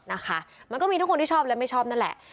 นะคะมันก็มีทุกคนที่ชอบและไม่ชอบนั่นแหละ